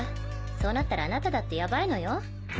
そうなったらあなただってヤバイのよ？